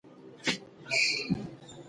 مور یې وویل چې زوی یې ډوډۍ راوایسته.